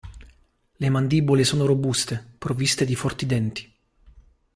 Le mandibole sono robuste, provviste di forti denti.